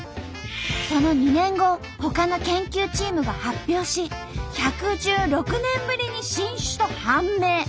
その２年後ほかの研究チームが発表し１１６年ぶりに新種と判明。